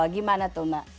gimana tuh mbak